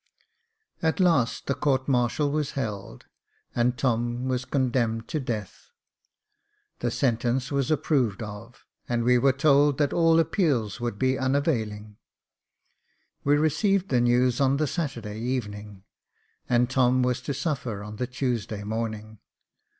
At last, the court martial was held, and Tom was condemned to death. The sentence was approved of, and we were told that all appeals would be unavailing. We received the news on the Saturday evening, and Tom was to suffer on the Tuesday morning.